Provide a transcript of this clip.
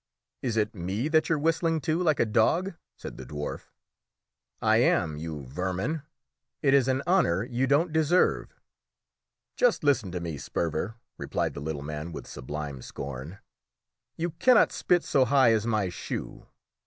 "Is it me that you are whistling to like a dog?" said the dwarf. "I am, you vermin! It is an honour you don't deserve." "Just listen to me, Sperver," replied the little man with sublime scorn; "you cannot spit so high as my shoe!"